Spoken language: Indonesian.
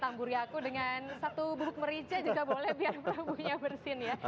tamburi aku dengan satu bubuk merica juga boleh biar prabunya bersin ya